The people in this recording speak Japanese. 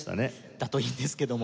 だといいんですけども。